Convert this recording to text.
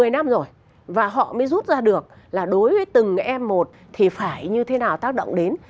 một mươi năm rồi và họ mới rút ra được là đối với từng em một thì phải như thế nào tác động đến